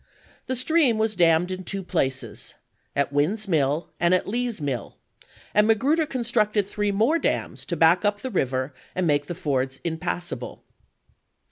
The stream was dammed in two places, at Wynn's Mill and at Lee's Mill ; and Magruder constructed three more dams to back up the river and make the fords impassable.